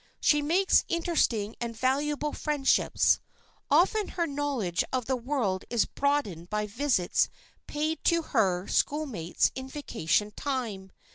She makes interesting and valuable friendships. Often her knowledge of the world is broadened by visits paid to her schoolmates in vacation time.